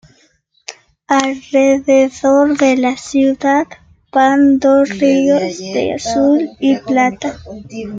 Alrededor de la ciudad van dos ríos de azul y plata.